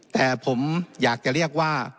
แต่ผมอยากจะเรียกว่า